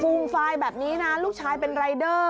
มฟายแบบนี้นะลูกชายเป็นรายเดอร์